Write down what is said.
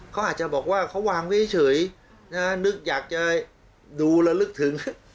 เขาอาจจะบอกว่าเขาวางไว้เฉยนึกอยากจะดูระลึกถึง